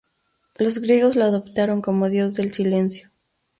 Los griegos lo adoptaron como dios del silencio.